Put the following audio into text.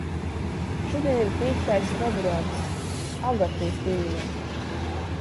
Šudiņ ir pīktais februars — Agatys dīna.